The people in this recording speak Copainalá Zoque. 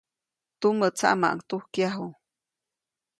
Tumä tsaʼmaʼuŋ tujkyaju.